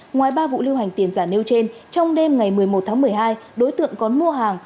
ngoài ba vụ lưu hành tiền giả nêu trên trong đêm ngày một mươi một tháng một mươi hai đối tượng còn mua hàng